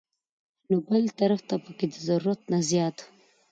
نو بل طرف ته پکښې د ضرورت نه زيات